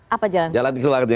apa jalan keluarnya